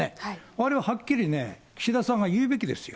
あれをはっきりね、岸田さんが言うべきですよ。